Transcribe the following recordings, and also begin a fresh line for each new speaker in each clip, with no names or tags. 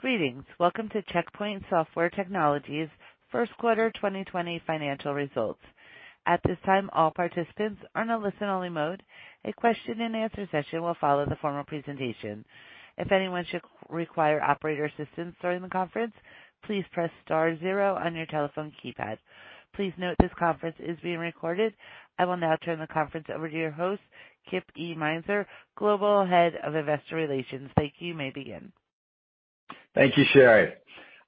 Greetings. Welcome to Check Point Software Technologies' first quarter 2020 financial results. At this time, all participants are in a listen-only mode. A question and answer session will follow the formal presentation. If anyone should require operator assistance during the conference, please press star zero on your telephone keypad. Please note this conference is being recorded. I will now turn the conference over to your host, Kip E. Meintzer, Global Head of Investor Relations. Thank you. You may begin.
Thank you, Sherry.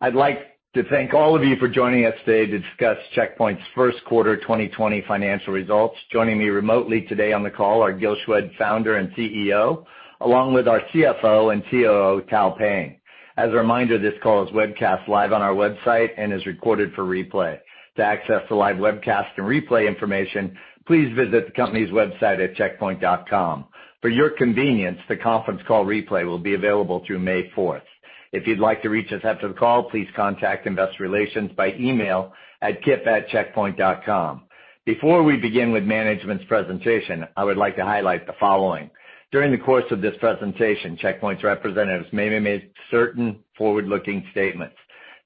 I'd like to thank all of you for joining us today to discuss Check Point's first quarter 2020 financial results. Joining me remotely today on the call are Gil Shwed, Founder and CEO, along with our CFO and COO, Tal Payne. As a reminder, this call is webcast live on our website and is recorded for replay. To access the live webcast and replay information, please visit the company's website at checkpoint.com. For your convenience, the conference call replay will be available through May 4th. If you'd like to reach us after the call, please contact Investor Relations by email at kip@checkpoint.com. Before we begin with management's presentation, I would like to highlight the following. During the course of this presentation, Check Point's representatives may emit certain forward-looking statements.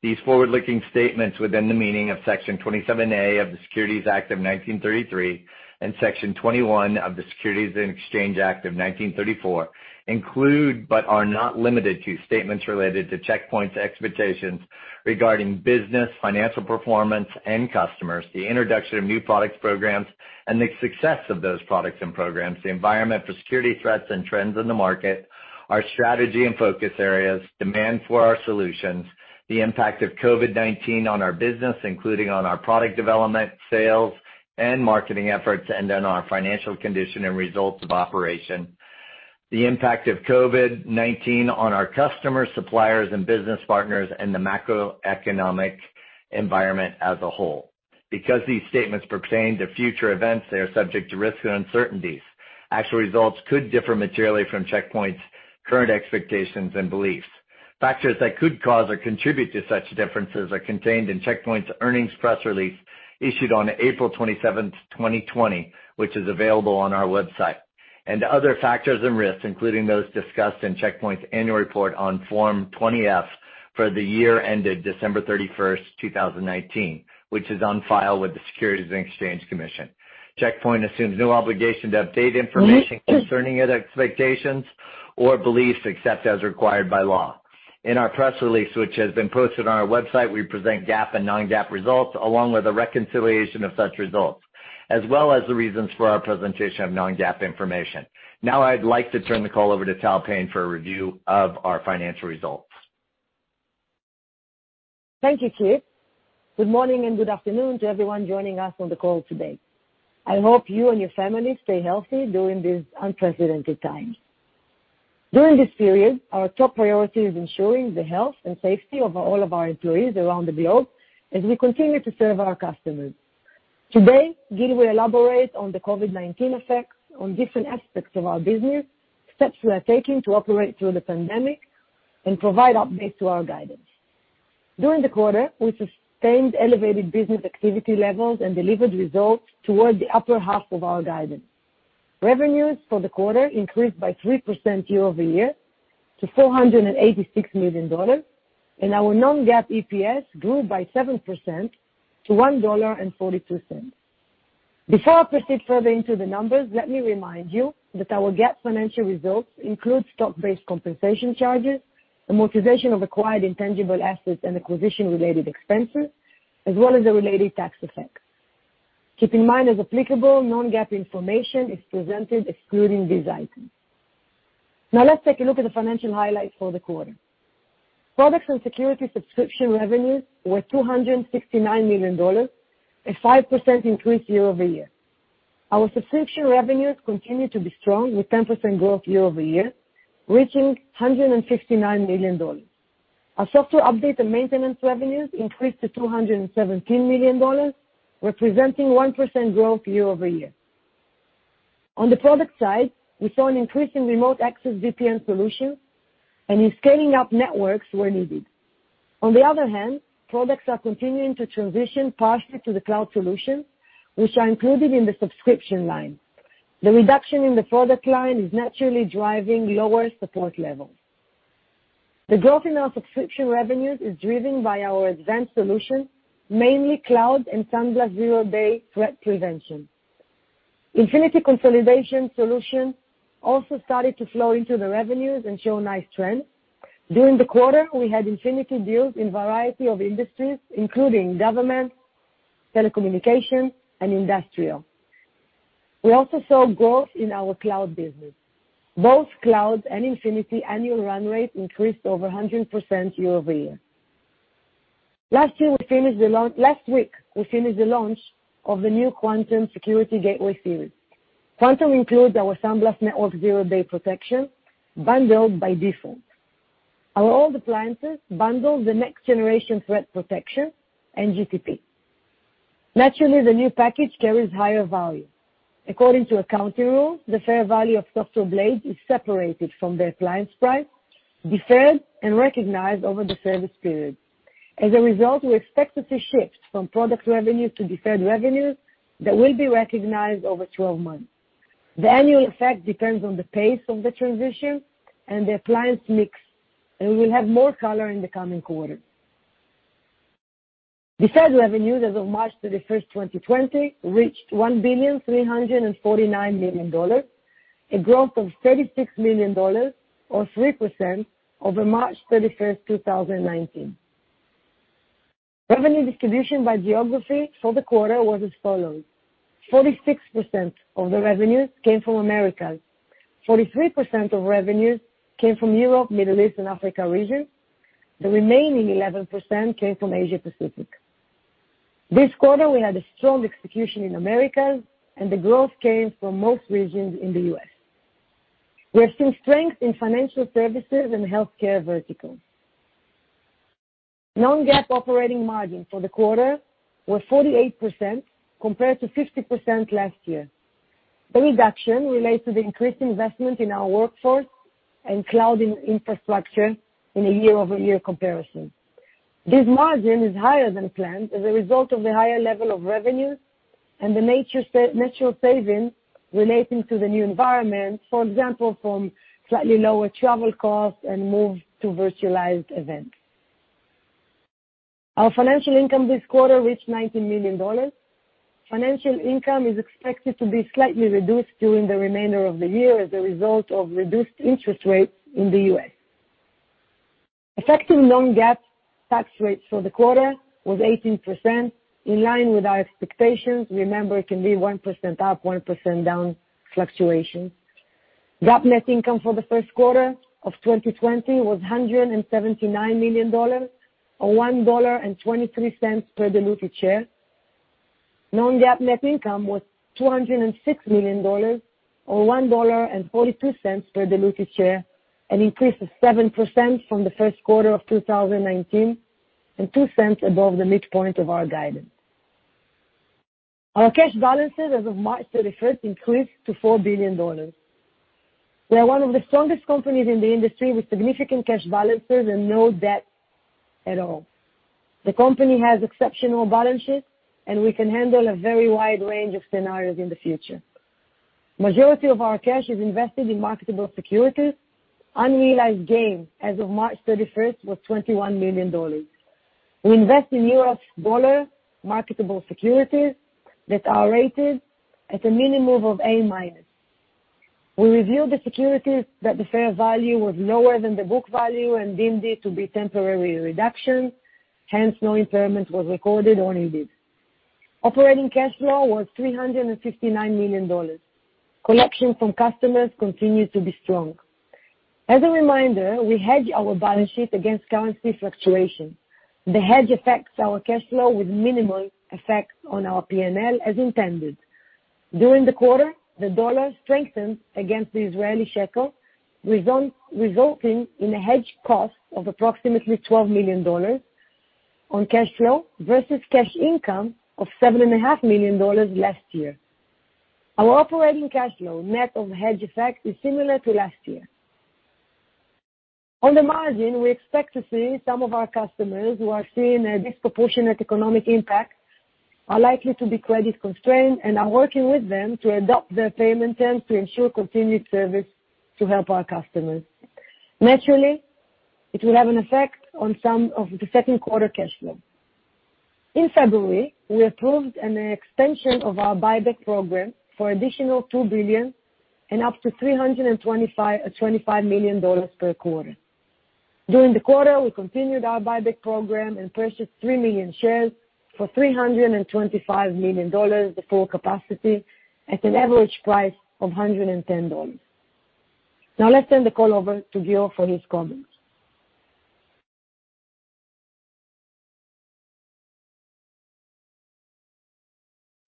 These forward-looking statements within the meaning of Section 27A of the Securities Act of 1933 and Section 21 of the Securities Exchange Act of 1934 include, but are not limited to, statements related to Check Point's expectations regarding business, financial performance, and customers, the introduction of new products programs and the success of those products and programs, the environment for security threats and trends in the market, our strategy and focus areas, demand for our solutions, the impact of COVID-19 on our business, including on our product development, sales, and marketing efforts, and on our financial condition and results of operation, the impact of COVID-19 on our customers, suppliers, and business partners, and the macroeconomic environment as a whole. Because these statements pertain to future events, they are subject to risks and uncertainties. Actual results could differ materially from Check Point's current expectations and beliefs. Factors that could cause or contribute to such differences are contained in Check Point's earnings press release issued on April 27th, 2020, which is available on our website, and other factors and risks, including those discussed in Check Point's annual report on Form 20-F for the year ended December 31st, 2019, which is on file with the Securities and Exchange Commission. Check Point assumes no obligation to update information concerning its expectations or beliefs, except as required by law. In our press release, which has been posted on our website, we present GAAP and non-GAAP results, along with a reconciliation of such results, as well as the reasons for our presentation of non-GAAP information. Now I'd like to turn the call over to Tal Payne for a review of our financial results.
Thank you, Kip. Good morning and good afternoon to everyone joining us on the call today. I hope you and your family stay healthy during these unprecedented times. During this period, our top priority is ensuring the health and safety of all of our employees around the globe as we continue to serve our customers. Today, Gil will elaborate on the COVID-19 effects on different aspects of our business, steps we are taking to operate through the pandemic, and provide updates to our guidance. During the quarter, we sustained elevated business activity levels and delivered results towards the upper half of our guidance. Revenues for the quarter increased by 3% year-over-year to $486 million, and our non-GAAP EPS grew by 7% to $1.42. Before I proceed further into the numbers, let me remind you that our GAAP financial results include stock-based compensation charges, amortization of acquired intangible assets, and acquisition-related expenses, as well as the related tax effects. Keep in mind, as applicable, non-GAAP information is presented excluding these items. Now let's take a look at the financial highlights for the quarter. Products and security subscription revenues were $269 million, a 5% increase year-over-year. Our subscription revenues continue to be strong, with 10% growth year-over-year, reaching $159 million. Our software update and maintenance revenues increased to $217 million, representing 1% growth year-over-year. On the product side, we saw an increase in remote access VPN solutions and in scaling up networks where needed. On the other hand, products are continuing to transition partially to the cloud solutions, which are included in the subscription line. The reduction in the product line is naturally driving lower support levels. The growth in our subscription revenues is driven by our advanced solutions, mainly cloud and SandBlast Zero Day Threat Prevention. Infinity consolidation solution also started to flow into the revenues and show nice trends. During the quarter, we had Infinity deals in a variety of industries, including government, telecommunication, and industrial. We also saw growth in our cloud business. Both cloud and Infinity annual run rate increased over 100% year-over-year. Last week, we finished the launch of the new Quantum Security Gateway series. Quantum includes our SandBlast Network Zero-Day Protection, bundled by default. Our old appliances bundle the Next Generation Threat Prevention, NGTP. Naturally, the new package carries higher value. According to accounting rules, the fair value of software blades is separated from the appliance price, deferred, and recognized over the service period. As a result, we expect to see shifts from product revenue to deferred revenue that will be recognized over 12 months. The annual effect depends on the pace of the transition and the appliance mix, and we will have more color in the coming quarter. The sales revenues as of March 31st, 2020, reached $1,349 million a growth of $36 million, or 3% over March 31st, 2019. Revenue distribution by geography for the quarter was as follows: 46% of the revenues came from Americas, 43% of revenues came from Europe, Middle East, and Africa region. The remaining 11% came from Asia Pacific. This quarter, we had a strong execution in Americas, and the growth came from most regions in the U.S. We have seen strength in financial services and the healthcare vertical. Non-GAAP operating margin for the quarter was 48% compared to 50% last year. The reduction relates to the increased investment in our workforce and cloud infrastructure in a year-over-year comparison. This margin is higher than planned as a result of the higher level of revenues and the natural savings relating to the new environment, for example, from slightly lower travel costs and move to virtualized events. Our financial income this quarter reached $90 million. Financial income is expected to be slightly reduced during the remainder of the year as a result of reduced interest rates in the U.S. Effective non-GAAP tax rates for the quarter was 18%, in line with our expectations. Remember, it can be 1% up, 1% down fluctuation. GAAP net income for the first quarter of 2020 was $179 million, or $1.23 per diluted share. Non-GAAP net income was $206 million, or $1.42 per diluted share, an increase of 7% from the first quarter of 2019, and $0.02 above the midpoint of our guidance. Our cash balances as of March 31st increased to $4 billion. We are one of the strongest companies in the industry with significant cash balances and no debt at all. The company has exceptional balance sheets, and we can handle a very wide range of scenarios in the future. Majority of our cash is invested in marketable securities. Unrealized gain as of March 31st was $21 million. We invest in U.S. dollar marketable securities that are rated at a minimum of A-. We reviewed the securities that the fair value was lower than the book value and deemed it to be temporary reduction, hence no impairment was recorded or needed. Operating cash flow was $359 million. Collection from customers continued to be strong. As a reminder, we hedge our balance sheet against currency fluctuation. The hedge affects our cash flow with minimal effect on our P&L as intended. During the quarter, the dollar strengthened against the Israeli shekel, resulting in a hedge cost of approximately $12 million on cash flow versus cash income of $7.5 million last year. Our operating cash flow, net of hedge effect, is similar to last year. On the margin, we expect to see some of our customers who are seeing a disproportionate economic impact are likely to be credit-constrained and are working with them to adopt their payment terms to ensure continued service to help our customers. Naturally, it will have an effect on some of the second quarter cash flow. In February, we approved an extension of our buyback program for additional $2 billion and up to $325 million per quarter. During the quarter, we continued our buyback program and purchased 3 million shares for $325 million, the full capacity, at an average price of $110. Let's turn the call over to Gil for his comments.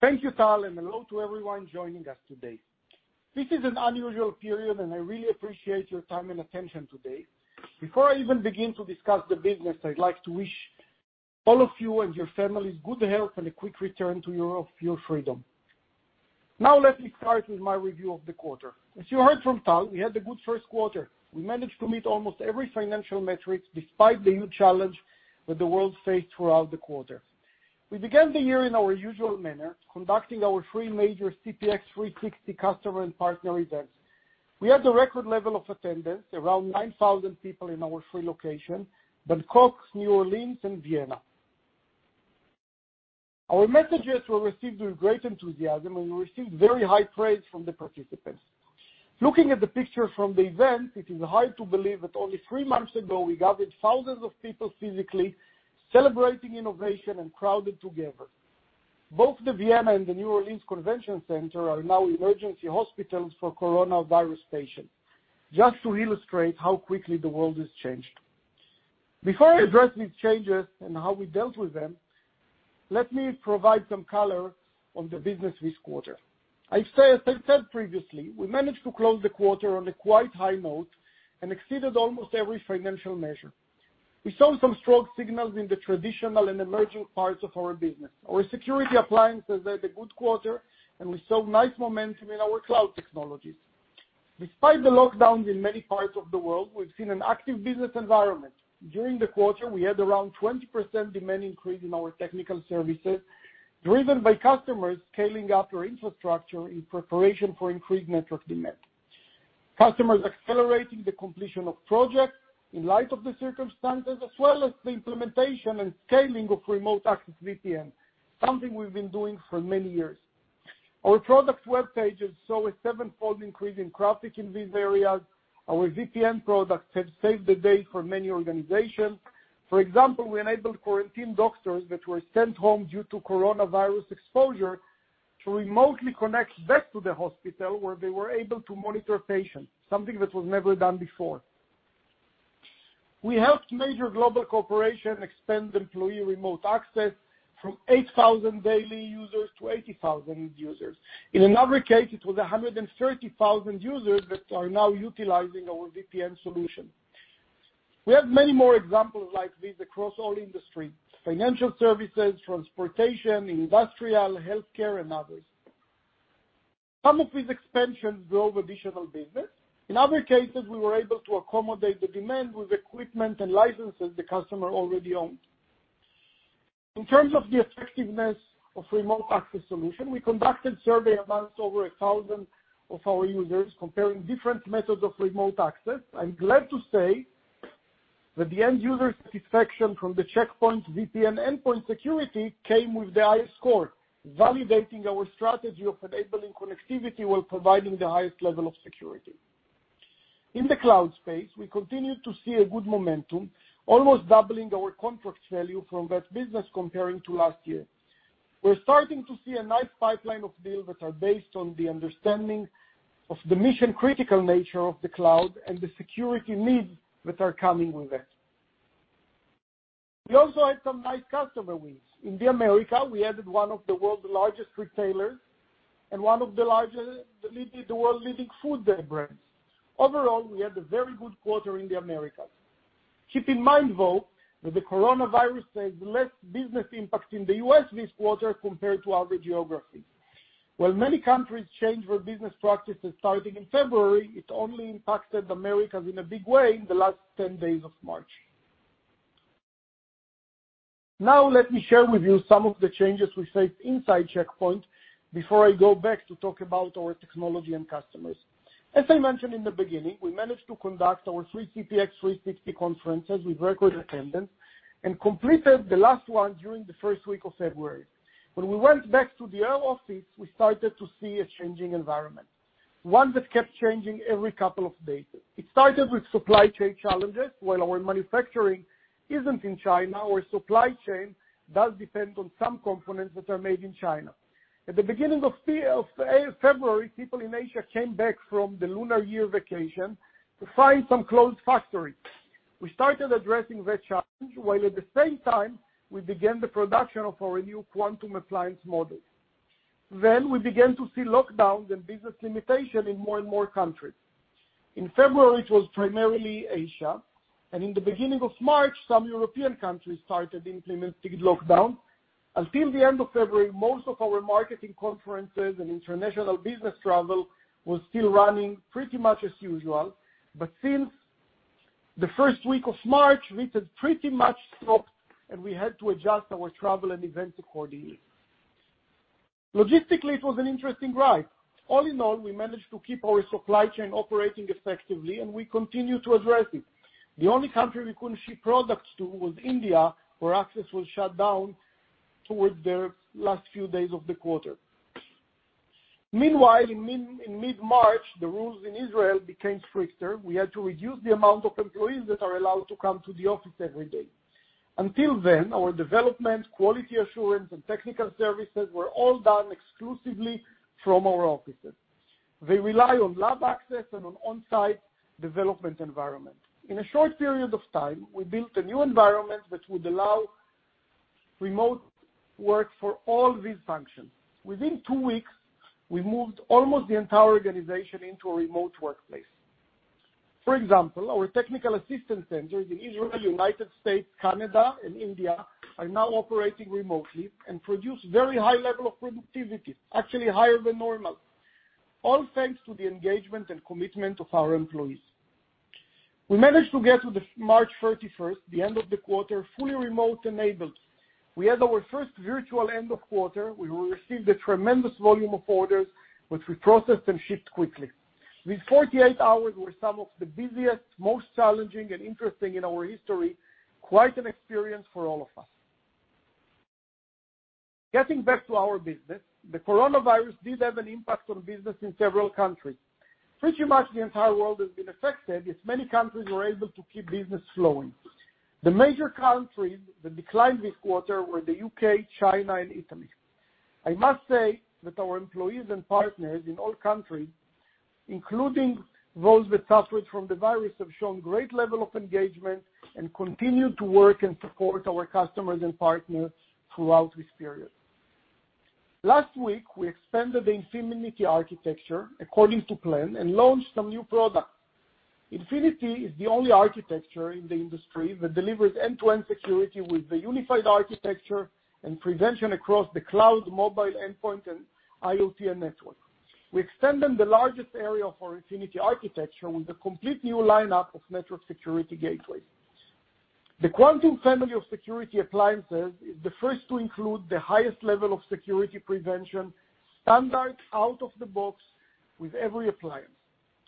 Thank you, Tal, and hello to everyone joining us today. This is an unusual period, and I really appreciate your time and attention today. Before I even begin to discuss the business, I'd like to wish all of you and your families good health and a quick return to your full freedom. Now, let me start with my review of the quarter. As you heard from Tal, we had a good first quarter. We managed to meet almost every financial metric despite the huge challenge that the world faced throughout the quarter. We began the year in our usual manner, conducting our three major CPX 360 customer and partner events. We had a record level of attendance, around 9,000 people in our three locations, Bangkok, New Orleans, and Vienna. Our messages were received with great enthusiasm, and we received very high praise from the participants. Looking at the picture from the event, it is hard to believe that only three months ago, we gathered thousands of people physically celebrating innovation and crowded together. Both the Vienna and the New Orleans Convention Center are now emergency hospitals for coronavirus patients, just to illustrate how quickly the world has changed. Before I address these changes and how we dealt with them, let me provide some color on the business this quarter. As I said previously, we managed to close the quarter on a quite high note and exceeded almost every financial measure. We saw some strong signals in the traditional and emerging parts of our business. Our security appliances had a good quarter, and we saw nice momentum in our cloud technologies. Despite the lockdowns in many parts of the world, we've seen an active business environment. During the quarter, we had around 20% demand increase in our technical services, driven by customers scaling up their infrastructure in preparation for increased network demand. Customers accelerating the completion of projects in light of the circumstances, as well as the implementation and scaling of remote access VPN, something we've been doing for many years. Our products web pages saw a sevenfold increase in traffic in these areas. Our VPN products have saved the day for many organizations. For example, we enabled quarantined doctors that were sent home due to coronavirus exposure, to remotely connect back to the hospital, where they were able to monitor patients, something that was never done before. We helped major global corporations expand employee remote access from 8,000 daily users to 80,000 users. In another case, it was 130,000 users that are now utilizing our VPN solution. We have many more examples like this across all industries, financial services, transportation, industrial, healthcare, and others. Some of these expansions drove additional business. In other cases, we were able to accommodate the demand with equipment and licenses the customer already owned. In terms of the effectiveness of remote access solution, we conducted survey amongst over 1,000 of our users comparing different methods of remote access. I'm glad to say that the end-user satisfaction from the Check Point VPN endpoint security came with the highest score, validating our strategy of enabling connectivity while providing the highest level of security. In the cloud space, we continue to see a good momentum, almost doubling our contract value from that business comparing to last year. We're starting to see a nice pipeline of deals that are based on the understanding of the mission-critical nature of the cloud and the security needs that are coming with it. We also had some nice customer wins. In the Americas, we added one of the world's largest retailers and one of the world's leading food brands. Overall, we had a very good quarter in the Americas. Keep in mind, though, that the coronavirus had less business impact in the U.S. this quarter compared to other geographies. While many countries changed their business practices starting in February, it only impacted the Americas in a big way in the last 10 days of March. Let me share with you some of the changes we faced inside Check Point before I go back to talk about our technology and customers. As I mentioned in the beginning, we managed to conduct our three CPX 360 conferences with record attendance and completed the last one during the first week of February. When we went back to the other offices, we started to see a changing environment, one that kept changing every couple of days. It started with supply chain challenges. While our manufacturing isn't in China, our supply chain does depend on some components that are made in China. At the beginning of February, people in Asia came back from the Lunar New Year vacation to find some closed factories. We started addressing that challenge, while at the same time, we began the production of our new Quantum appliance model. We began to see lockdowns and business limitation in more and more countries. In February, it was primarily Asia, and in the beginning of March, some European countries started implementing lockdown. Until the end of February, most of our marketing conferences and international business travel was still running pretty much as usual. Since the first week of March, we had pretty much stopped, and we had to adjust our travel and events accordingly. Logistically, it was an interesting ride. All in all, we managed to keep our supply chain operating effectively, and we continue to address it. The only country we couldn't ship products to was India, where access was shut down towards the last few days of the quarter. Meanwhile, in mid-March, the rules in Israel became stricter. We had to reduce the amount of employees that are allowed to come to the office every day. Until then, our development, quality assurance, and technical services were all done exclusively from our offices. They rely on lab access and an on-site development environment. In a short period of time, we built a new environment that would allow remote work for all these functions. Within two weeks, we moved almost the entire organization into a remote workplace. For example, our technical assistance centers in Israel, U.S., Canada, and India are now operating remotely and produce very high level of productivity, actually higher than normal. All thanks to the engagement and commitment of our employees. We managed to get to March 31st, the end of the quarter, fully remote-enabled. We had our first virtual end of quarter. We received a tremendous volume of orders, which we processed and shipped quickly. These 48 hours were some of the busiest, most challenging, and interesting in our history. Quite an experience for all of us. Getting back to our business, the coronavirus did have an impact on business in several countries. Pretty much the entire world has been affected, as many countries were able to keep business flowing. The major countries that declined this quarter were the U.K., China, and Italy. I must say that our employees and partners in all countries, including those that suffered from the virus, have shown great level of engagement and continue to work and support our customers and partners throughout this period. Last week, we expanded the Infinity Architecture according to plan and launched some new products. Infinity is the only architecture in the industry that delivers end-to-end security with a unified architecture and prevention across the cloud, mobile endpoint, and IoT, and network. We extended the largest area of our Infinity Architecture with a complete new lineup of network security gateways. The Quantum family of security appliances is the first to include the highest level of security prevention standard out of the box with every appliance.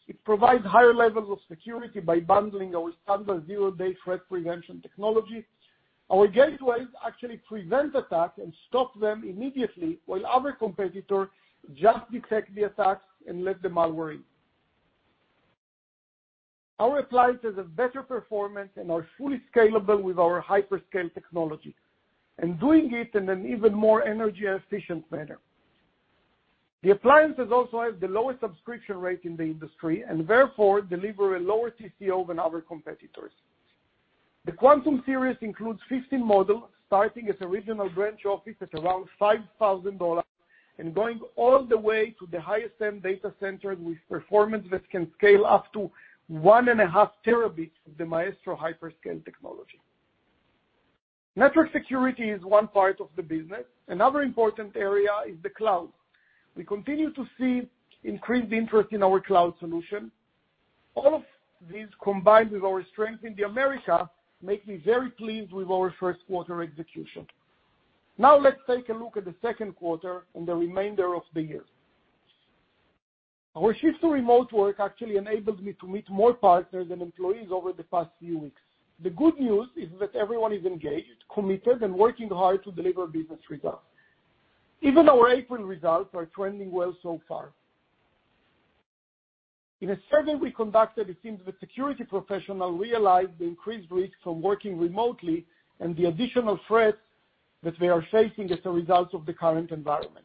It provides higher levels of security by bundling our standard zero-day threat prevention technology. Our gateways actually prevent attacks and stop them immediately, while other competitors just detect the attacks and let the malware in. Our appliances have better performance and are fully scalable with our hyperscale technology, and doing it in an even more energy-efficient manner. The appliances also have the lowest subscription rate in the industry, and therefore deliver a lower TCO than other competitors. The Quantum series includes 15 models, starting at the regional branch office at around $5,000, and going all the way to the highest end data centers with performance that can scale up to 1.5 terabits with the Maestro hyperscale technology. Network security is one part of the business. Another important area is the cloud. We continue to see increased interest in our cloud solution. All of these, combined with our strength in the America, make me very pleased with our first quarter execution. Let's take a look at the second quarter and the remainder of the year. Our shift to remote work actually enabled me to meet more partners and employees over the past few weeks. The good news is that everyone is engaged, committed, and working hard to deliver business results. Even our April results are trending well so far. In a survey we conducted, it seems that security professionals realized the increased risk from working remotely and the additional threats that they are facing as a result of the current environment.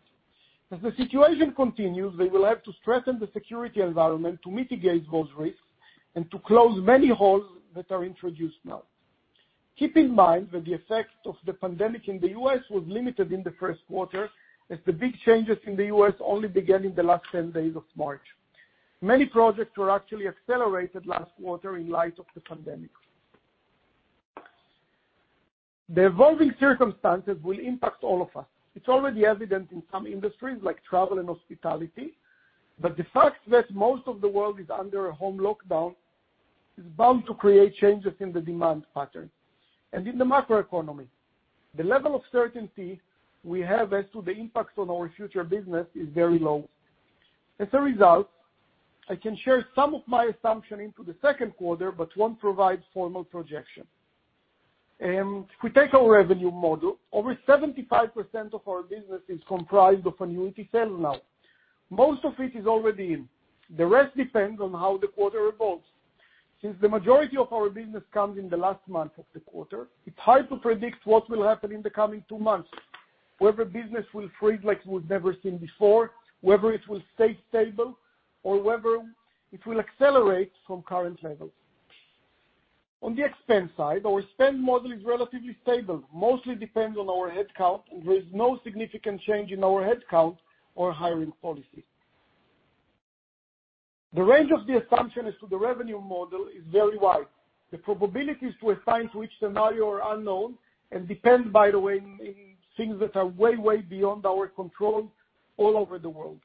As the situation continues, they will have to strengthen the security environment to mitigate those risks and to close many holes that are introduced now. Keep in mind that the effect of the pandemic in the U.S. was limited in the first quarter, as the big changes in the U.S. only began in the last 10 days of March. Many projects were actually accelerated last quarter in light of the pandemic. The evolving circumstances will impact all of us. It's already evident in some industries, like travel and hospitality, but the fact that most of the world is under a home lockdown is bound to create changes in the demand pattern. In the macroeconomy, the level of certainty we have as to the impacts on our future business is very low. As a result, I can share some of my assumption into the second quarter, but won't provide formal projection. If we take our revenue model, over 75% of our business is comprised of annuity sales now. Most of it is already in. The rest depends on how the quarter evolves. Since the majority of our business comes in the last month of the quarter, it's hard to predict what will happen in the coming two months, whether business will freeze like we've never seen before, whether it will stay stable, or whether it will accelerate from current levels. On the expense side, our spend model is relatively stable, mostly depends on our headcount, and there is no significant change in our headcount or hiring policy. The range of the assumption as to the revenue model is very wide. The probabilities to assign to each scenario are unknown and depend, by the way, in things that are way beyond our control all over the world.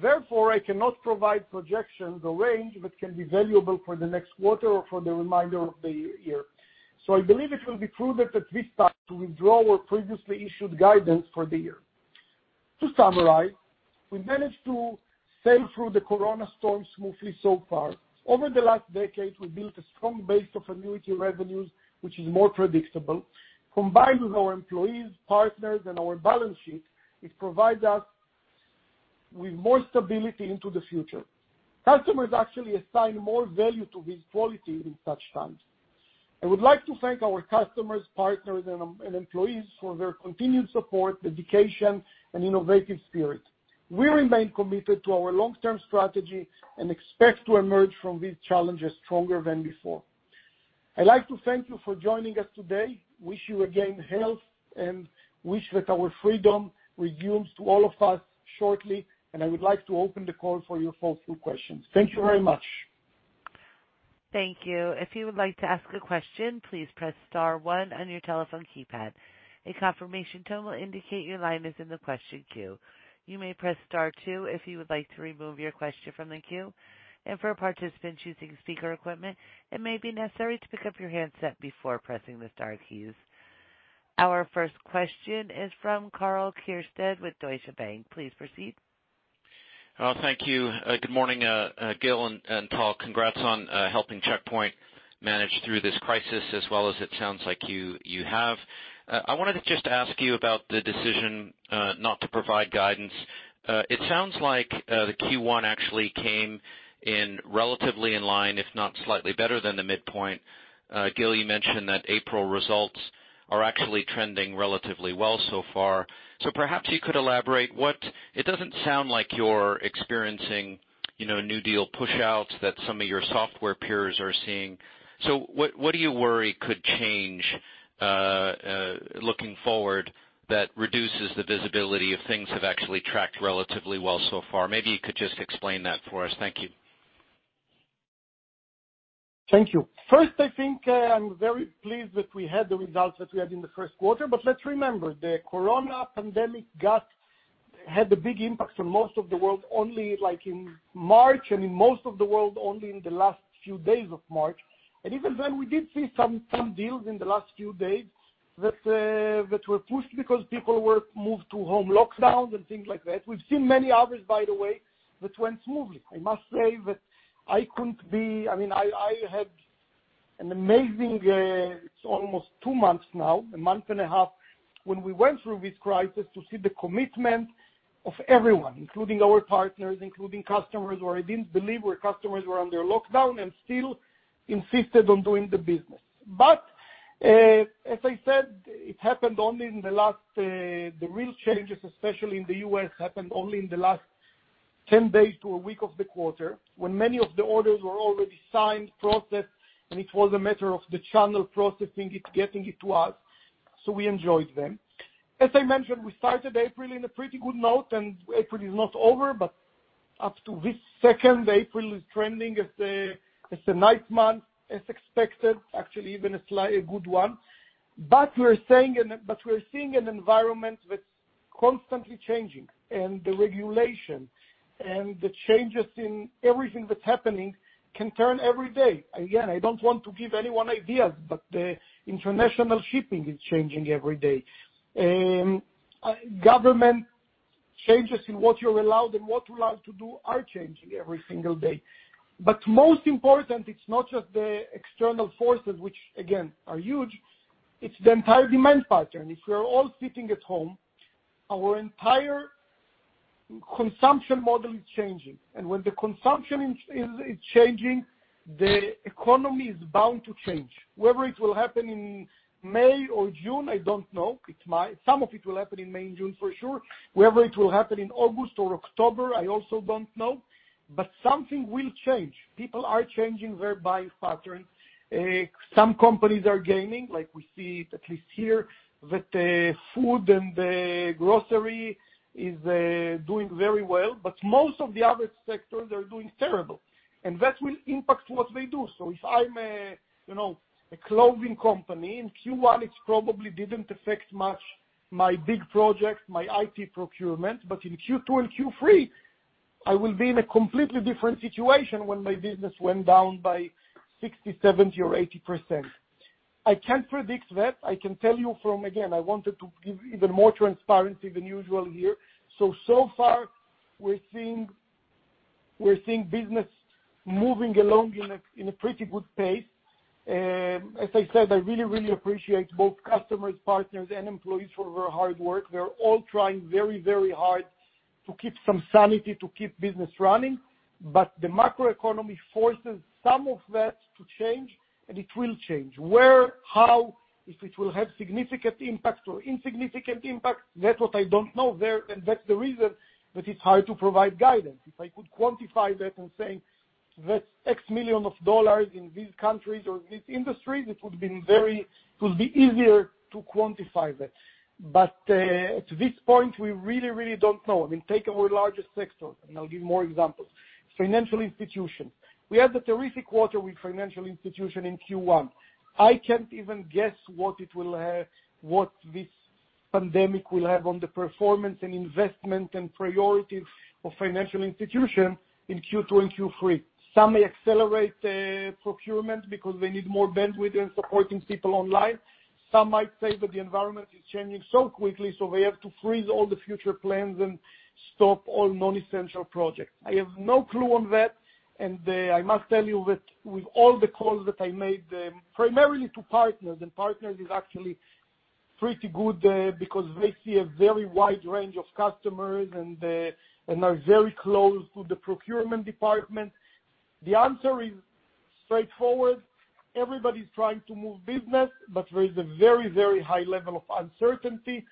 Therefore, I cannot provide projections or range that can be valuable for the next quarter or for the remainder of the year. I believe it will be prudent at this time to withdraw our previously issued guidance for the year. To summarize, we managed to sail through the coronavirus storm smoothly so far. Over the last decade, we built a strong base of annuity revenues, which is more predictable. Combined with our employees, partners, and our balance sheet, it provides us with more stability into the future. Customers actually assign more value to these qualities in such times. I would like to thank our customers, partners, and employees for their continued support, dedication, and innovative spirit. We remain committed to our long-term strategy and expect to emerge from these challenges stronger than before. I'd like to thank you for joining us today, wish you again health, and wish that our freedom resumes to all of us shortly, and I would like to open the call for few questions. Thank you very much.
Thank you. If you would like to ask a question, please press star one on your telephone keypad. A confirmation tone will indicate your line is in the question queue. You may press star two if you would like to remove your question from the queue. For participants using speaker equipment, it may be necessary to pick up your handset before pressing the star keys. Our first question is from Karl Keirstead with Deutsche Bank. Please proceed.
Thank you. Good morning, Gil and Tal. Congrats on helping Check Point manage through this crisis as well as it sounds like you have. I wanted to just ask you about the decision not to provide guidance. It sounds like the Q1 actually came in relatively in line, if not slightly better than the midpoint. Gil, you mentioned that April results are actually trending relatively well so far. Perhaps you could elaborate, it doesn't sound like you're experiencing new deal pushouts that some of your software peers are seeing. What do you worry could change, looking forward, that reduces the visibility if things have actually tracked relatively well so far? Maybe you could just explain that for us. Thank you.
Thank you. I think I'm very pleased that we had the results that we had in the first quarter. Let's remember, the corona pandemic had a big impact on most of the world, only in March, and in most of the world, only in the last few days of March. Even then, we did see some deals in the last few days that were pushed because people were moved to home lockdowns and things like that. We've seen many others, by the way, that went smoothly. I must say that, I had an amazing, it's almost two months now, a month and a half, when we went through this crisis to see the commitment of everyone, including our partners, including customers who I didn't believe were customers, were under lockdown, and still insisted on doing the business. As I said, the real changes, especially in the U.S., happened only in the last 10 days to one week of the quarter, when many of the orders were already signed, processed, and it was a matter of the channel processing it, getting it to us, so we enjoyed them. As I mentioned, we started April in a pretty good note. April is not over, but up to this second, April is trending as a nice month as expected, actually, even a good one. We're seeing an environment that's constantly changing. The regulation and the changes in everything that's happening can turn every day. Again, I don't want to give anyone ideas, but the international shipping is changing every day. Government changes in what you're allowed and what you're allowed to do are changing every single day. Most important, it's not just the external forces, which, again, are huge, it's the entire demand pattern. If we're all sitting at home, our entire consumption model is changing. When the consumption is changing, the economy is bound to change. Whether it will happen in May or June, I don't know. Some of it will happen in May and June for sure. Whether it will happen in August or October, I also don't know. Something will change. People are changing their buying patterns. Some companies are gaining, like we see it at least here, that food and grocery is doing very well, but most of the other sectors are doing terrible, and that will impact what they do. If I'm a clothing company, in Q1, it probably didn't affect much my big projects, my IT procurement, but in Q2 and Q3, I will be in a completely different situation when my business went down by 60%, 70%, or 80%. I can't predict that. I can tell you from, again, I wanted to give even more transparency than usual here. So far we're seeing business moving along in a pretty good pace. As I said, I really appreciate both customers, partners, and employees for their hard work. They're all trying very hard to keep some sanity, to keep business running. The macroeconomy forces some of that to change, and it will change. Where, how, if it will have significant impact or insignificant impact, that's what I don't know there, and that's the reason that it's hard to provide guidance. If I could quantify that and say that X million of dollars in these countries or these industries, it would be easier to quantify that. At this point, we really don't know. Take our largest sectors, and I'll give more examples. Financial institutions. We had a terrific quarter with financial institutions in Q1. I can't even guess what this pandemic will have on the performance and investment and priorities of financial institutions in Q2 and Q3. Some may accelerate procurement because they need more bandwidth in supporting people online. Some might say that the environment is changing so quickly, so they have to freeze all the future plans and stop all non-essential projects. I have no clue on that, and I must tell you that with all the calls that I made, primarily to partners, and partners is actually pretty good because they see a very wide range of customers and are very close to the procurement department. The answer is straightforward. Everybody's trying to move business, but there is a very high level of uncertainty.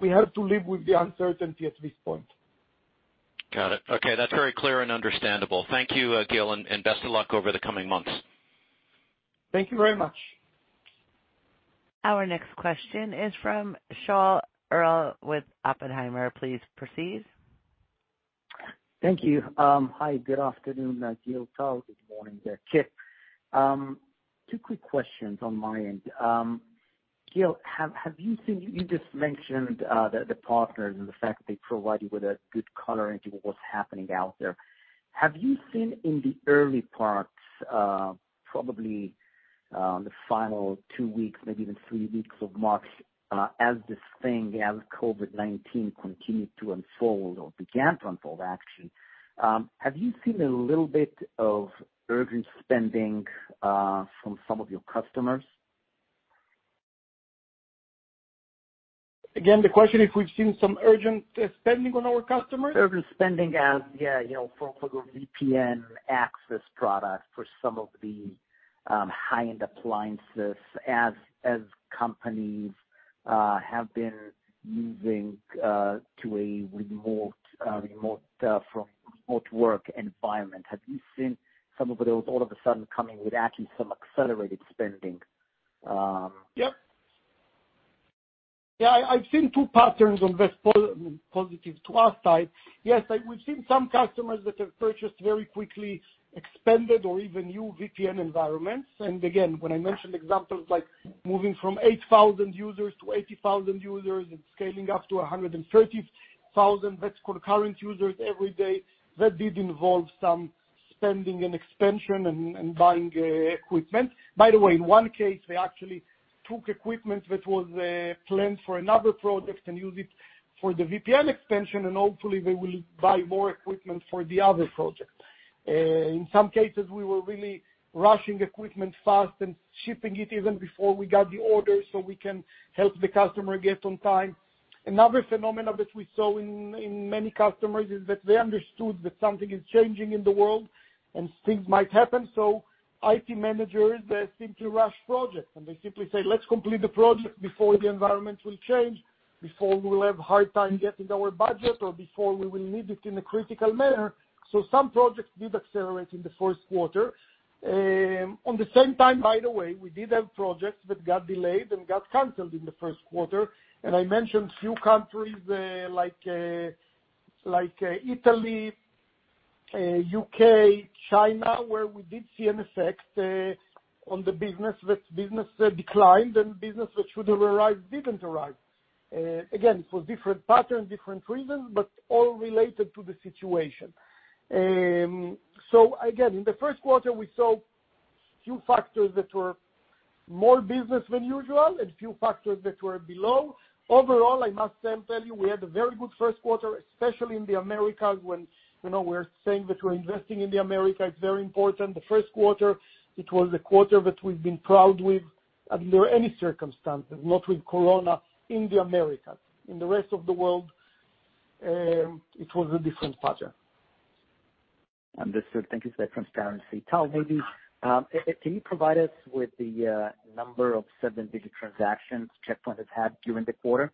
We have to live with the uncertainty at this point.
Got it. Okay. That's very clear and understandable. Thank you, Gil, and best of luck over the coming months.
Thank you very much.
Our next question is from Shaul Eyal with Oppenheimer. Please proceed.
Thank you. Hi, good afternoon, Gil. Shaul. Good morning there, Kip. Two quick questions on my end. Gil, you just mentioned the partners and the fact that they provide you with a good color into what's happening out there. Have you seen in the early parts, probably, the final two weeks, maybe even three weeks of March, as this thing, as COVID-19 continued to unfold or began to unfold, actually, have you seen a little bit of urgent spending from some of your customers?
The question, if we've seen some urgent spending on our customers?
Urgent spending as, yeah, for the VPN access product, for some of the high-end appliances, as companies have been moving from remote work environment. Have you seen some of those all of a sudden coming with actually some accelerated spending?
Yep. Yeah, I've seen two patterns on this positive to our side. Yes, we've seen some customers that have purchased very quickly expanded or even new VPN environments. Again, when I mentioned examples like moving from 8,000 users to 80,000 users and scaling up to 130,000 that's concurrent users every day, that did involve some spending and expansion and buying equipment. By the way, in one case, they actually took equipment that was planned for another project and used it for the VPN expansion, and hopefully they will buy more equipment for the other project. In some cases, we were really rushing equipment fast and shipping it even before we got the order so we can help the customer get on time. Another phenomenon that we saw in many customers is that they understood that something is changing in the world and things might happen. IT managers, they seem to rush projects and they simply say, let's complete the project before the environment will change, before we will have hard time getting our budget or before we will need it in a critical manner. Some projects did accelerate in the first quarter. On the same time, by the way, we did have projects that got delayed and got canceled in the first quarter. I mentioned few countries, like Italy, U.K., China, where we did see an effect on the business, that business declined and business that should have arrived didn't arrive. Again, for different patterns, different reasons, but all related to the situation. Again, in the first quarter, we saw few factors that were more business than usual and few factors that were below. Overall, I must tell you, we had a very good first quarter, especially in the Americas, when we're saying that we're investing in the Americas, it's very important. The first quarter, it was a quarter that we've been proud with under any circumstances, not with COVID-19 in the Americas. In the rest of the world, it was a different pattern.
Understood. Thank you for that transparency. Tal, maybe, can you provide us with the number of seven-digit transactions Check Point has had during the quarter?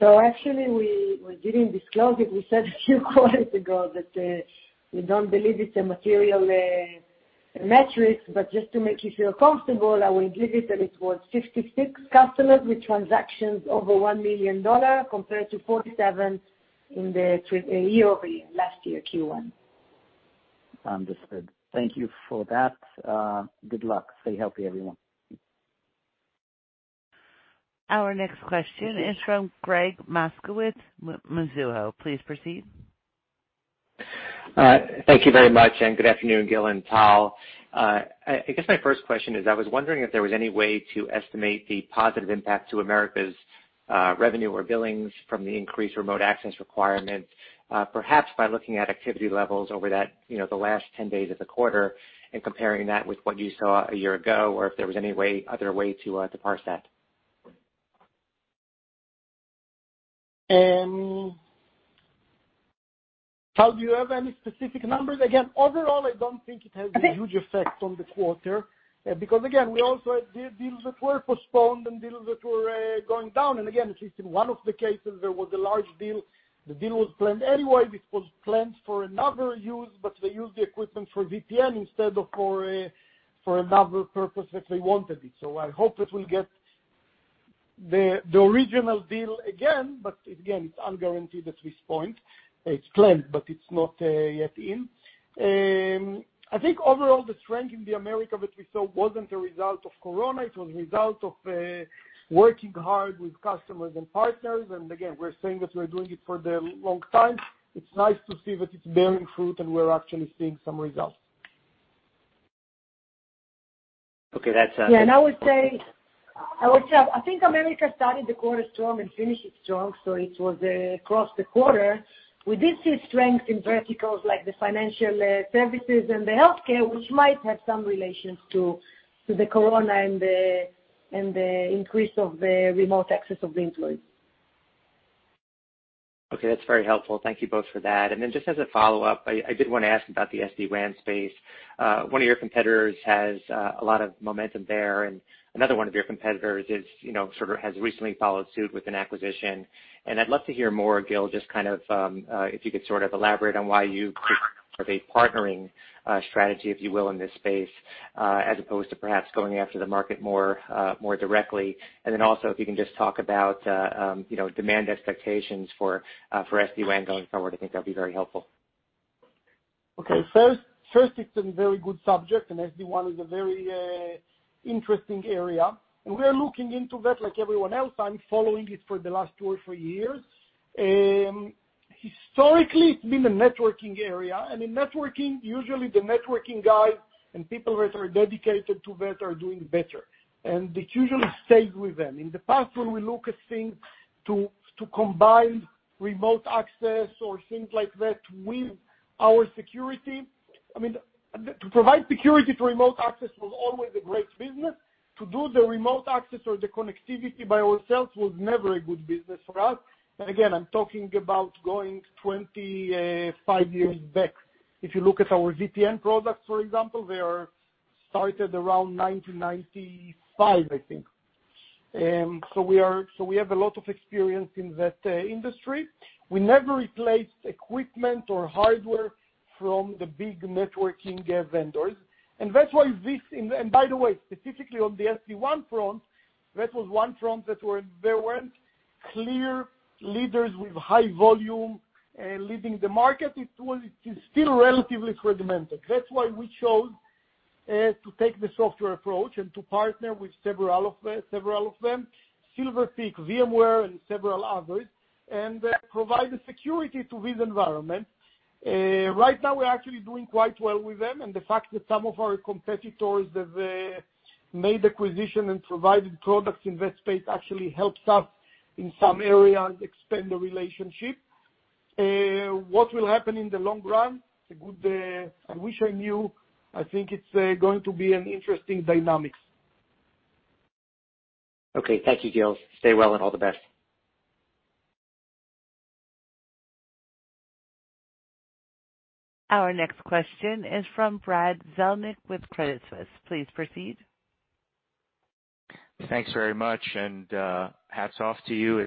Actually, we didn't disclose it. We said a few quarters ago that we don't believe it's a material metric, but just to make you feel comfortable, I will give it that it was 56 customers with transactions over $1 million compared to 47 in the year-over-year, last year Q1.
Understood. Thank you for that. Good luck. Stay healthy, everyone.
Our next question is from Gregg Moskowitz, Mizuho. Please proceed.
Thank you very much, and good afternoon, Gil and Tal. I guess my first question is, I was wondering if there was any way to estimate the positive impact to Americas revenue or billings from the increased remote access requirement, perhaps by looking at activity levels over the last 10 days of the quarter and comparing that with what you saw a year ago, or if there was any other way to parse that.
Tal, do you have any specific numbers? Overall, I don't think it has a huge effect on the quarter, because again, we also had deals that were postponed and deals that were going down. At least in one of the cases, there was a large deal. The deal was planned anyway, it was planned for another use, but they used the equipment for VPN instead of for another purpose that they wanted it. I hope that we'll get the original deal again, but again, it's unguaranteed at this point. It's planned, but it's not yet in. I think overall, the strength in the America that we saw wasn't a result of corona, it was a result of working hard with customers and partners. We're saying that we're doing it for the long time. It's nice to see that it's bearing fruit and we're actually seeing some results.
Okay.
Yeah, I would say, I think America started the quarter strong and finished it strong. It was across the quarter. We did see strength in verticals like the financial services and the healthcare, which might have some relations to the COVID-19 and the increase of the remote access of the employees.
Okay, that's very helpful. Thank you both for that. Just as a follow-up, I did want to ask about the SD-WAN space. One of your competitors has a lot of momentum there, and another one of your competitors has recently followed suit with an acquisition. I'd love to hear more, Gil, just if you could elaborate on why you have a partnering strategy, if you will, in this space, as opposed to perhaps going after the market more directly. Also, if you can just talk about demand expectations for SD-WAN going forward, I think that'd be very helpful.
Okay. First, it's a very good subject. SD-WAN is a very interesting area. We're looking into that like everyone else. I'm following it for the last two or three years. Historically, it's been a networking area. In networking, usually the networking guys and people that are dedicated to that are doing better. It usually stayed with them. In the past, when we look at things to combine remote access or things like that with our security, to provide security to remote access was always a great business. To do the remote access or the connectivity by ourselves was never a good business for us. Again, I'm talking about going 25 years back. If you look at our VPN products, for example, they are started around 1995, I think. We have a lot of experience in that industry. We never replaced equipment or hardware from the big networking vendors. By the way, specifically on the SD-WAN front, that was one front that there weren't clear leaders with high volume leading the market. It is still relatively fragmented. That's why we chose to take the software approach and to partner with several of them, Silver Peak, VMware and several others, and provide the security to this environment. Right now, we're actually doing quite well with them, and the fact that some of our competitors have made acquisition and provided products in that space actually helps us in some areas expand the relationship. What will happen in the long run? I wish I knew. I think it's going to be an interesting dynamics.
Okay. Thank you, Gil. Stay well, and all the best.
Our next question is from Brad Zelnick with Credit Suisse. Please proceed.
Thanks very much. Hats off to you.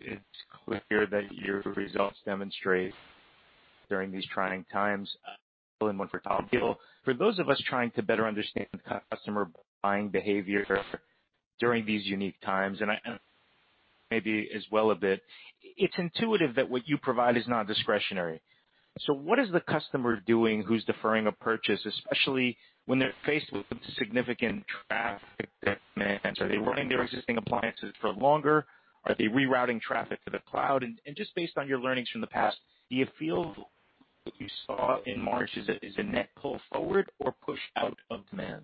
It's clear that your results demonstrate during these trying times. One for Tal. Gil, for those of us trying to better understand customer buying behavior during these unique times, and maybe as well a bit, it's intuitive that what you provide is not discretionary. What is the customer doing who's deferring a purchase, especially when they're faced with significant traffic demands? Are they running their existing appliances for longer? Are they rerouting traffic to the cloud? Just based on your learnings from the past, do you feel what you saw in March is a net pull forward or push out of demand?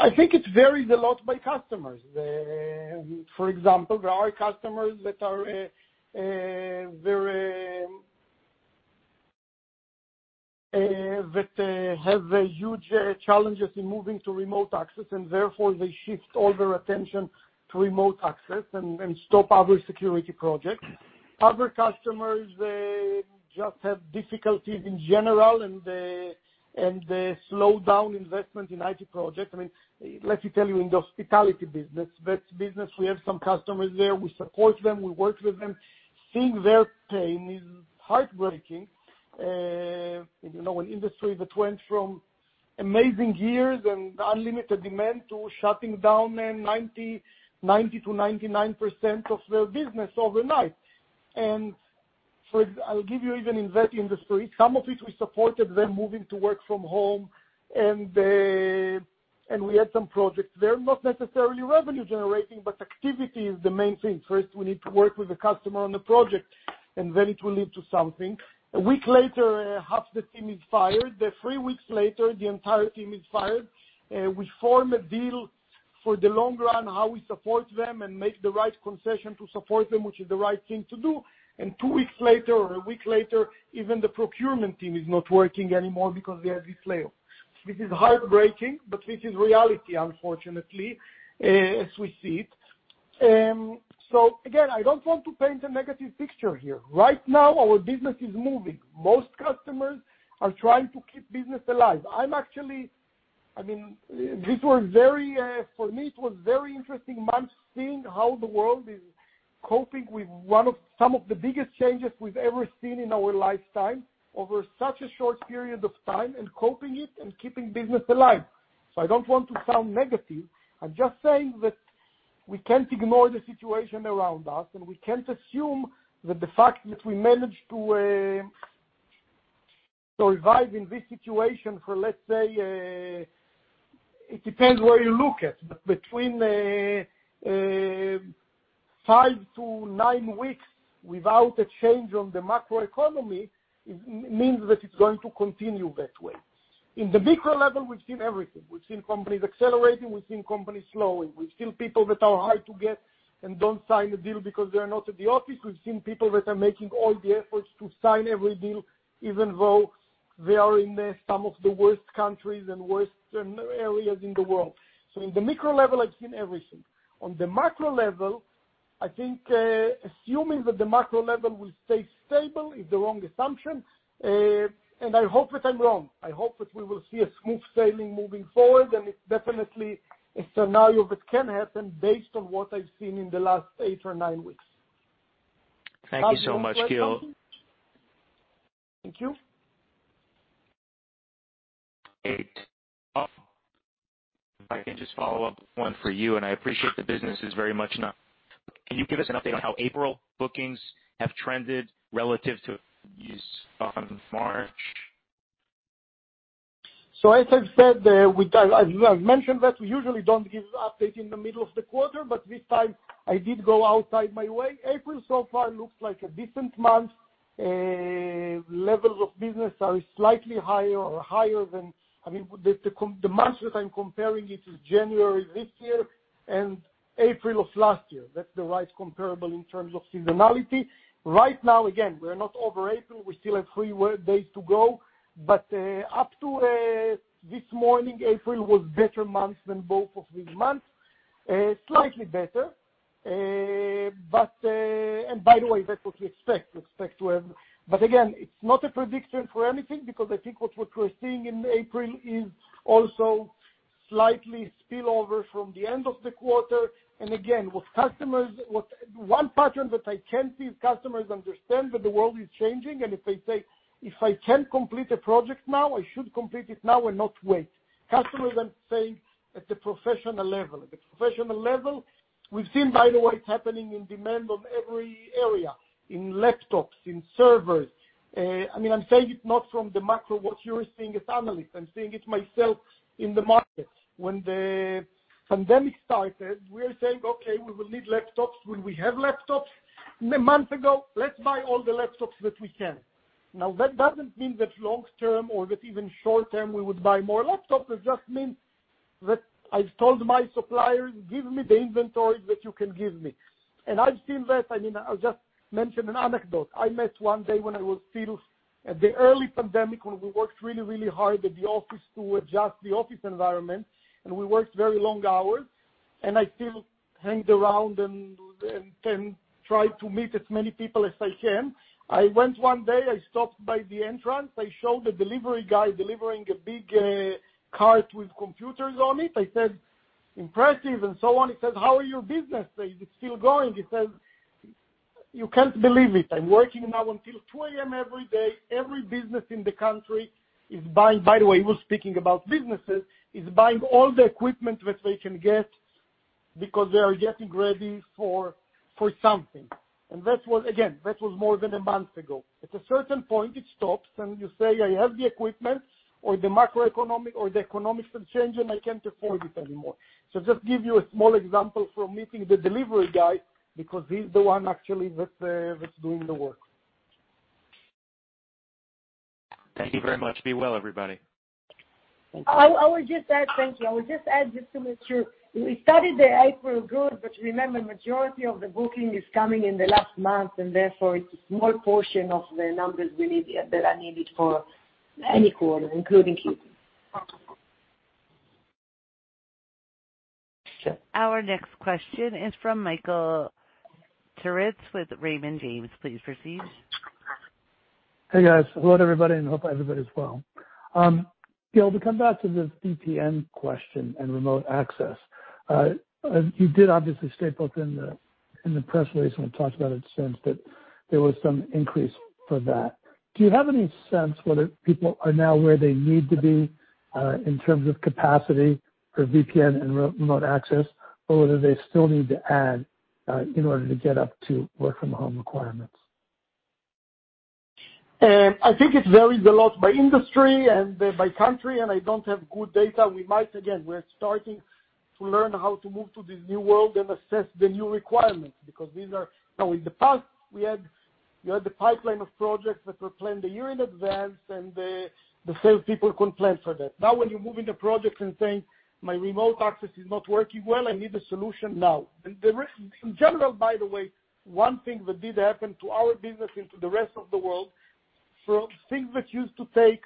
I think it varies a lot by customers. For example, there are customers that have huge challenges in moving to remote access, therefore they shift all their attention to remote access and stop other security projects. Other customers, they just have difficulties in general, they slow down investment in IT projects. Let me tell you, in the hospitality business, we have some customers there. We support them, we work with them. Seeing their pain is heartbreaking. An industry that went from amazing years and unlimited demand to shutting down 90% to 99% of their business overnight. I'll give you even in that industry, some of which we supported them moving to work from home, and we had some projects there, not necessarily revenue generating, but activity is the main thing. First, we need to work with the customer on the project, and then it will lead to something. A week later, half the team is fired. Three weeks later, the entire team is fired. We form a deal for the long run, how we support them and make the right concession to support them, which is the right thing to do. Two weeks later or a week later, even the procurement team is not working anymore because they are this layer. This is heartbreaking, but this is reality, unfortunately, as we see it. Again, I don't want to paint a negative picture here. Right now, our business is moving. Most customers are trying to keep business alive. For me, it was very interesting months seeing how the world is coping with some of the biggest changes we've ever seen in our lifetime over such a short period of time, and coping it and keeping business alive. I don't want to sound negative. I'm just saying that we can't ignore the situation around us, and we can't assume that the fact that we managed to survive in this situation for, let's say, it depends where you look at, but between five to nine weeks without a change on the macro economy, it means that it's going to continue that way. In the micro level, we've seen everything. We've seen companies accelerating, we've seen companies slowing. We've seen people that are hard to get and don't sign a deal because they are not at the office. We've seen people that are making all the efforts to sign every deal, even though they are in some of the worst countries and worst areas in the world. In the micro level, I've seen everything. On the macro level, I think assuming that the macro level will stay stable is the wrong assumption, and I hope that I'm wrong. I hope that we will see a smooth sailing moving forward, and it's definitely a scenario that can happen based on what I've seen in the last eight or nine weeks.
Thank you so much, Gil.
Thank you.
Great. If I can just follow up with one for you, and I appreciate the business is very much not. Can you give us an update on how April bookings have trended relative to views on March?
As I've said, I've mentioned that we usually don't give update in the middle of the quarter, but this time I did go outside my way. April so far looks like a decent month. Levels of business are slightly higher, or higher than the months that I'm comparing it is January this year and April of last year. That's the right comparable in terms of seasonality. Right now, again, we're not over April. We still have three work days to go, but up to this morning, April was better month than both of these months. Slightly better, and by the way, that's what we expect. Again, it's not a prediction for anything because I think what we're seeing in April is also slightly spill-over from the end of the quarter. Again, one pattern that I can see is customers understand that the world is changing, and if they say, if I can complete a project now, I should complete it now and not wait. Customers I'm saying, at the professional level. At the professional level, we've seen, by the way, it's happening in demand on every area, in laptops, in servers. I'm saying it not from the macro, what you're seeing as analysts, I'm seeing it myself in the markets. When the pandemic started, we were saying, okay, we will need laptops. Will we have laptops? A month ago, let's buy all the laptops that we can. Now, that doesn't mean that long-term or that even short-term, we would buy more laptops. It just means that I've told my suppliers, give me the inventory that you can give me. I've seen that. I'll just mention an anecdote. I met one day when I was still at the early pandemic, when we worked really, really hard at the office to adjust the office environment, and we worked very long hours, and I still hanged around and try to meet as many people as I can. I went one day, I stopped by the entrance. I saw the delivery guy delivering a big cart with computers on it. I said, impressive, and so on. He said, how is your business? Is it still going? He says, you can't believe it. I'm working now until 2:00 AM every day, every business in the country is buying. By the way, he was speaking about businesses, is buying all the equipment that they can get because they are getting ready for something. Again, that was more than a month ago. At a certain point, it stops, and you say, I have the equipment or the macroeconomic or the economics will change, and I can't afford it anymore. Just give you a small example from meeting the delivery guy because he's the one actually that's doing the work.
Thank you very much. Be well, everybody.
Thank you.
Thank you. I would just add just to make sure. We started the April good, but remember, majority of the booking is coming in the last month, and therefore it's a small portion of the numbers that are needed for any quarter, including Q2.
Sure.
Our next question is from Michael Turits with Raymond James. Please proceed.
Hey, guys. Hello, everybody, and hope everybody is well. Gil, to come back to the VPN question and remote access, you did obviously state both in the press release, when we talked about it since that there was some increase for that. Do you have any sense whether people are now where they need to be, in terms of capacity for VPN and remote access, or whether they still need to add, in order to get up to work from home requirements?
I think it varies a lot by industry and by country, and I don't have good data. We might, again, we're starting to learn how to move to this new world and assess the new requirements. Now, in the past, we had the pipeline of projects that were planned a year in advance, and the sales people couldn't plan for that. Now, when you move into projects and saying, my remote access is not working well, I need a solution now. In general, by the way, one thing that did happen to our business and to the rest of the world, things that used to take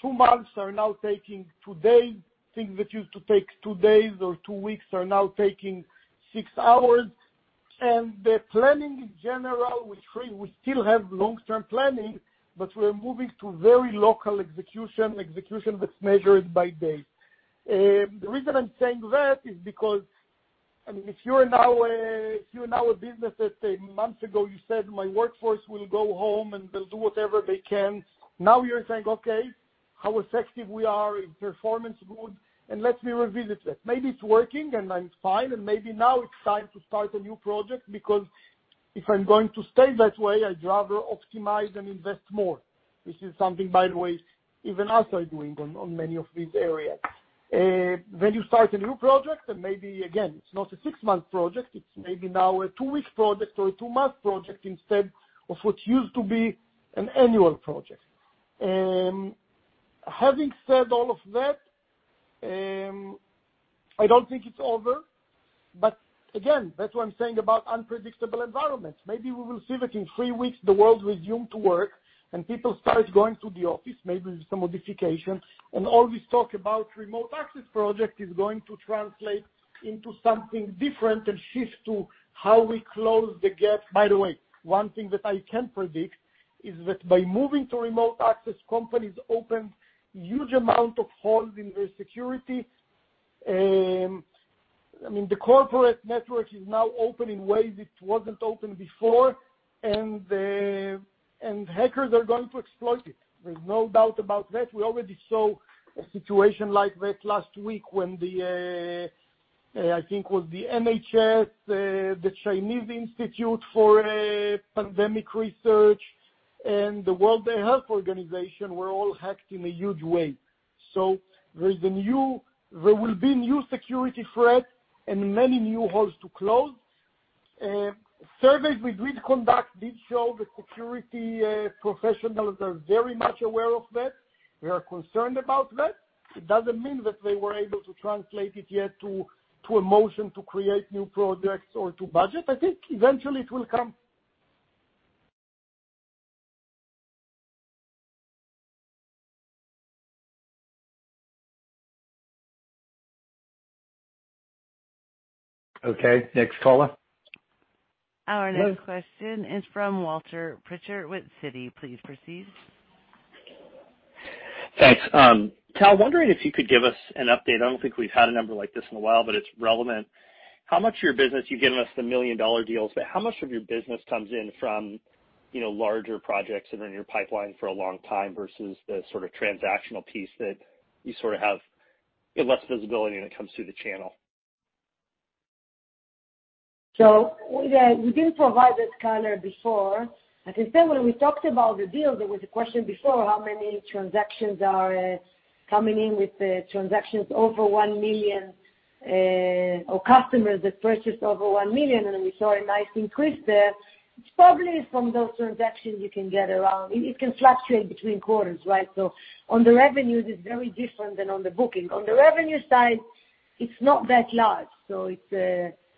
two months are now taking two days. Things that used to take two days or two weeks are now taking six hours. The planning in general, we still have long-term planning, but we're moving to very local execution that's measured by day. The reason I'm saying that is because, if you're in our business, let's say months ago, you said, my workforce will go home, and they'll do whatever they can. Now you're saying, okay, how effective we are? Is performance good? Let me revisit that. Maybe it's working and I'm fine, maybe now it's time to start a new project, because if I'm going to stay that way, I'd rather optimize and invest more. This is something, by the way, even us are doing on many of these areas. When you start a new project, maybe, again, it's not a six-month project, it's maybe now a two-week project or a two-month project instead of what used to be an annual project. Having said all of that, I don't think it's over. Again, that's why I'm saying about unpredictable environments. Maybe we will see that in three weeks, the world resumes to work and people start going to the office, maybe with some modifications, and all this talk about remote access project is going to translate into something different and shift to how we close the gap. One thing that I can predict is that by moving to remote access, companies opened huge amount of holes in their security. The corporate network is now open in ways it wasn't open before, and hackers are going to exploit it. There's no doubt about that. We already saw a situation like that last week when the, I think it was the NHS, the Chinese Institute for Pandemic Research, and the World Health Organization were all hacked in a huge way. There will be new security threats and many new holes to close. Surveys we did conduct did show that security professionals are very much aware of that. They are concerned about that. It doesn't mean that they were able to translate it yet to a motion to create new projects or to budget. I think eventually it will come
Okay, next caller.
Our next question is from Walter Pritchard with Citi. Please proceed.
Thanks. Tal, wondering if you could give us an update. I don't think we've had a number like this in a while, but it's relevant. How much of your business, you've given us the million-dollar deals, but how much of your business comes in from larger projects that are in your pipeline for a long time versus the sort of transactional piece that you sort of have less visibility when it comes to the channel?
We did provide this color before. Like I said, when we talked about the deals, there was a question before, how many transactions are coming in with the transactions over $1 million, or customers that purchased over $1 million, and we saw a nice increase there. It's probably from those transactions you can get around. It can fluctuate between quarters, right? On the revenues, it's very different than on the booking. On the revenue side, it's not that large.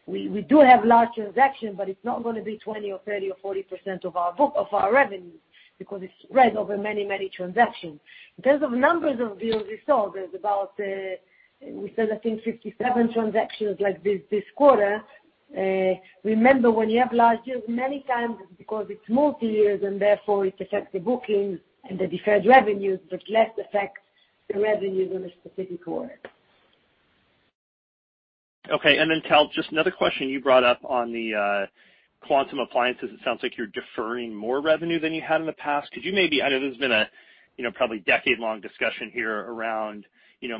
We do have large transactions, but it's not going to be 20% or 30% or 40% of our revenue, because it's spread over many, many transactions. In terms of numbers of deals, we saw there's about, we said, I think, 57 transactions like this this quarter. Remember, when you have large deals, many times it's because it's multi-years, and therefore it affects the bookings and the deferred revenues, but less affects the revenues on a specific quarter.
Okay. Tal, just another question you brought up on the Quantum Appliances. It sounds like you're deferring more revenue than you had in the past. I know there's been a probably decade-long discussion here around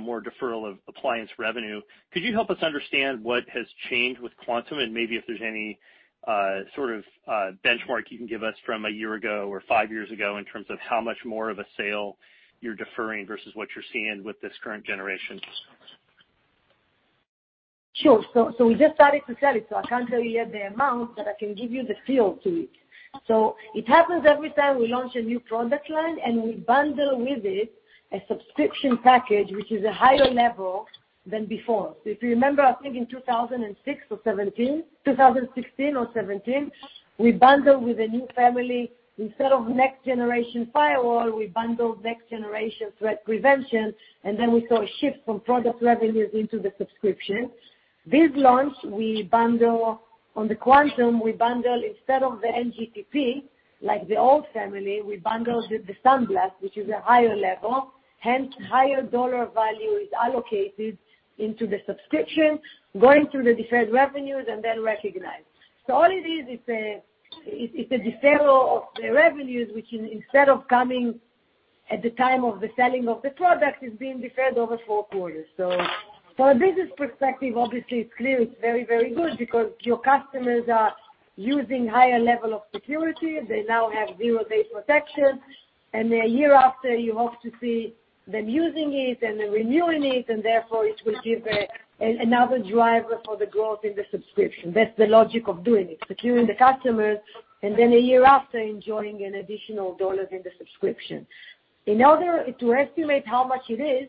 more deferral of appliance revenue. Could you help us understand what has changed with Quantum, and maybe if there's any sort of benchmark you can give us from a year ago or five years ago in terms of how much more of a sale you're deferring versus what you're seeing with this current generation?
Sure. We just started to sell it, so I can't tell you yet the amount, but I can give you the feel to it. It happens every time we launch a new product line, and we bundle with it a subscription package, which is a higher level than before. If you remember, I think in 2016 or 2017, we bundled with a new family. Instead of next-generation firewall, we bundled Next Generation Threat Prevention, and then we saw a shift from product revenues into the subscription. This launch, on the Quantum, we bundle instead of the NGTP, like the old family, we bundle the SandBlast, which is a higher level, hence higher dollar value is allocated into the subscription, going through the deferred revenues and then recognized. All it is, it's a deferral of the revenues, which instead of coming at the time of the selling of the product, is being deferred over four quarters. From a business perspective, obviously, it's clear it's very, very good because your customers are using higher level of security. They now have zero-day protection, and a year after, you hope to see them using it and then renewing it, and therefore it will give another driver for the growth in the subscription. That's the logic of doing it, securing the customers, and then a year after, enjoying an additional dollars in the subscription. In order to estimate how much it is,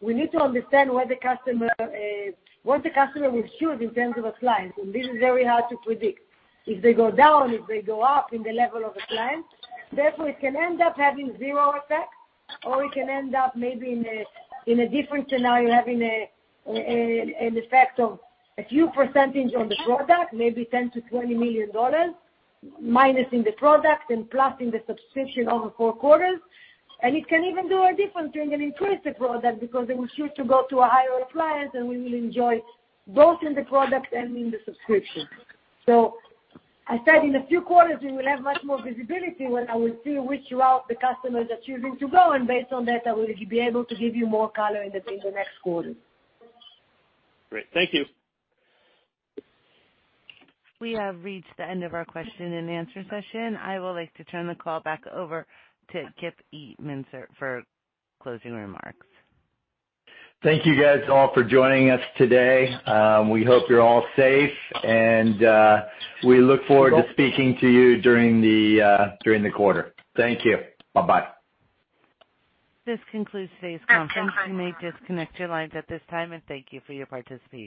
we need to understand what the customer will choose in terms of appliance, and this is very hard to predict. If they go down, if they go up in the level of appliance, therefore, it can end up having zero effect, or it can end up maybe in a different scenario, having an effect of a few percentage on the product, maybe $10 million to $20 million, minus in the product and plus in the subscription over four quarters. It can even do a different thing and increase the product because they will choose to go to a higher appliance, and we will enjoy both in the product and in the subscription. I said in a few quarters, we will have much more visibility when I will see which route the customers are choosing to go, and based on that, I will be able to give you more color in the next quarter.
Great. Thank you.
We have reached the end of our question and answer session. I would like to turn the call back over to Kip E. Meintzer for closing remarks.
Thank you guys all for joining us today. We hope you're all safe, and we look forward to speaking to you during the quarter. Thank you. Bye-bye.
This concludes today's conference. You may disconnect your lines at this time, and thank you for your participation.